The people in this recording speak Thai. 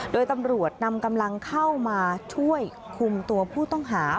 โดยตำรวจนำกำลังเข้ามาช่วยคุมตัวผู้ต้องหา